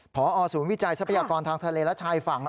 พอศูนย์วิจัยทรัพยากรทางทะเลและชายฝั่ง